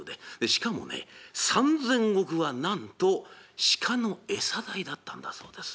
しかもね３，０００石はなんと鹿の餌代だったんだそうです。